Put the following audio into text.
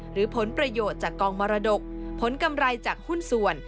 หรือผลประโยชน์จากกองมรดกผลกำไรจากหุ้นส่วน